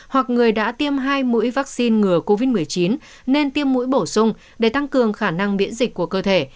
hoặc người đã tiêm hai mũi vaccine ngừa covid một mươi chín nên tiêm mũi bổ sung để tăng cường khả năng miễn dịch của cơ thể